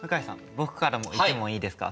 僕からも一問いいですか？